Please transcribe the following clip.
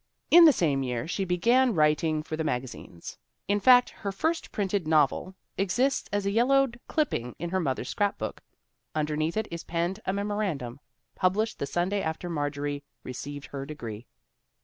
In the same year she began writing for the magazines. In fact her first printed "novel" exists as a yellowed clipping in her mother's scrapbook. Un derneath it is penned a memorandum : "Published the Sunday after Marjorie received her degree."